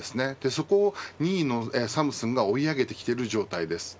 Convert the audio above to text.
そこを２位のサムスンが追い上げてきている状態です。